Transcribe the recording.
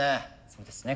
そうですね